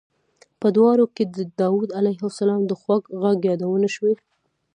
په دواړو کې د داود علیه السلام د خوږ غږ یادونه شوې.